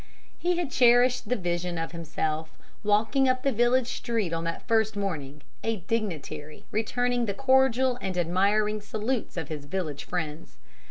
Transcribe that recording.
He had cherished the vision of himself walking up the village street on that first morning, a dignitary returning the cordial and admiring salutes of his village friends.